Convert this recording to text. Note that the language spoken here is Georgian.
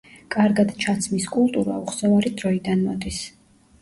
კარგად ჩაცმის კულტურა უხსოვარი დროიდან მოდის.